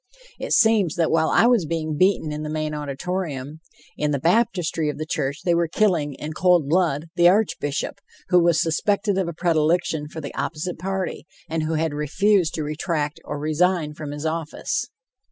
It seems that while I was being beaten in the main auditorium, in the baptistry of the church they were killing, in cold blood, the Archbishop, who was suspected of a predilection for the opposite party, and who had refused to retract or resign from his office.